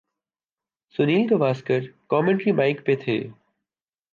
Sunil Gavaskar commentary mike پہ تھے۔